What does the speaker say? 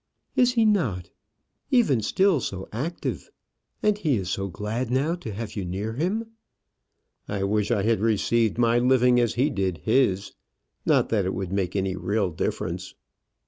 "Is he not? even still so active! And he is so glad now to have you near him." "I wish I had received my living as he did his; not that it would make any real difference."